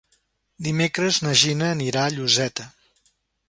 Dimecres na Gina anirà a Lloseta.